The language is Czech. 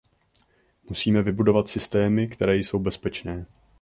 Musíme vybudovat systémy, které jsou bezpečné.